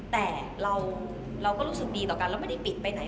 แต่เราก็รู้สึกดีต่อกันแล้วไม่ได้ปิดไปไหน